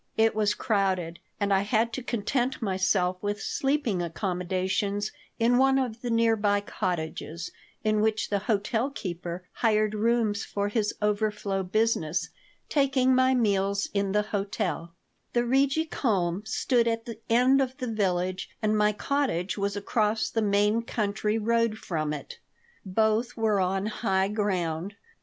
lt was crowded, and I had to content myself with sleeping accommodations in one of the near by cottages, in which the hotel keeper hired rooms for his overflow business, taking my meals in the hotel The Rigi Kulm stood at the end of the village and my cottage was across the main country road from it. Both were on high ground.